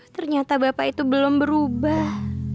ternyata bapak itu belum berubah